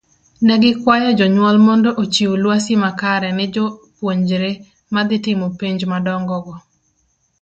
Negikwayo jonyuol mondo ochiw lwasi makare ne jo puonjre madhii timo penj madongo go.